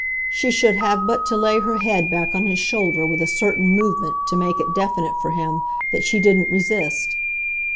She should have but to lay her head back on his shoulder with a certain movement to make it definite for him that she didn't resist.